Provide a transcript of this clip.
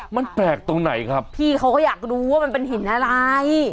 มันแปลกตรงไหนครับพี่เขาก็อยากรู้ว่ามันเป็นหินอะไร